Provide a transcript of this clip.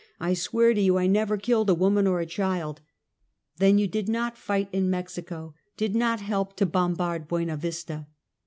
I swear to you I never killed a woman or a child." " Then you did not fight in Mexico, did not help to bombard Buena Yista."